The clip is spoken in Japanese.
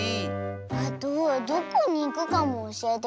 あとどこにいくかもおしえてくれないし。